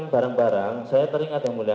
barang barang saya teringat yang mulia